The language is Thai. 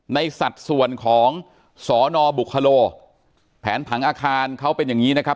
สัดส่วนของสนบุคโลแผนผังอาคารเขาเป็นอย่างนี้นะครับ